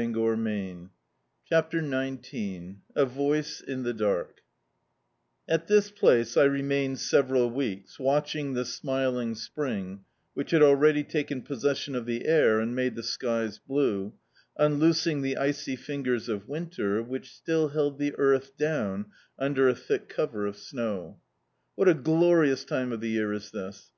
db, Google CHAPTER XIX A VOICE IN THE DARK AT this place I remained several weeks, watch ing^ the smiling Spring, which had already taken possession of the air and made the skies blue — unloosing the icy fingers of Winter, which still held the earth down under a thick cover of snow. What a glorious time of the year is this